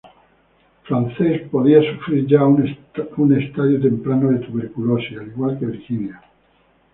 Frances podía sufrir ya un estadio temprano de tuberculosis, al igual que Virginia.